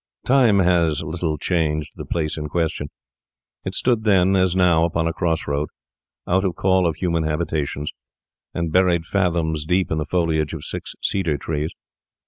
Time has little changed the place in question. It stood then, as now, upon a cross road, out of call of human habitations, and buried fathom deep in the foliage of six cedar trees.